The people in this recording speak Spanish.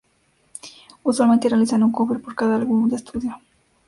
Usualmente realizan un cover por cada álbum de estudio.